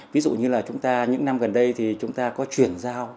ví dụ như là chúng ta những năm gần đây thì chúng ta có chuyển giao